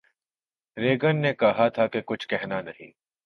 Reagan نے کہا تھا کہ کچھ کہنا نہیں